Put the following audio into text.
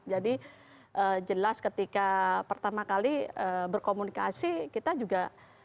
jadi jelas ketika pertama kali berkomunikasi kita juga